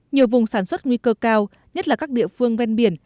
nhiều vùng sản xuất nguy cơ cao nhất là các địa phương ven biển